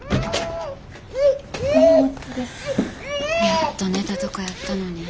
やっと寝たとこやったのに。